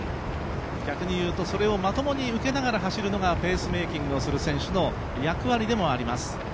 逆に言うと、それをまともに受けながら走るのがペースメーキングの選手の役割でもあります。